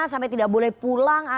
sampai tidak boleh pulang